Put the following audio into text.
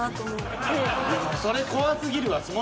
それ怖すぎるわ。